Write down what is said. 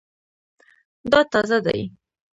دا تازه دی